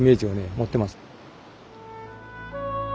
持ってます。